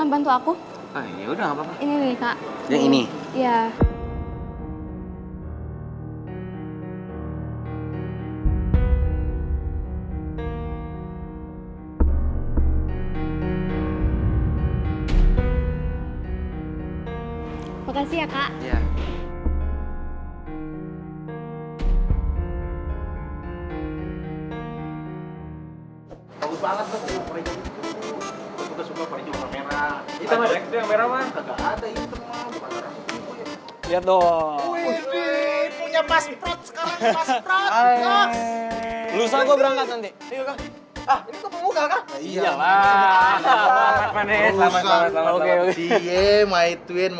eh bangkuan men